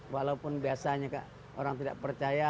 walaupun biasanya orang tidak percaya